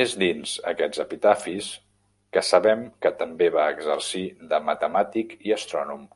És dins aquests epitafis que sabem que també va exercir de matemàtic i astrònom.